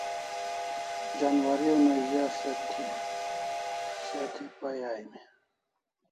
Janwari una a ze se thi pai aimi